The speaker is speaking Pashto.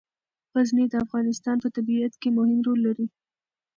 غزني د افغانستان په طبیعت کې مهم رول لري.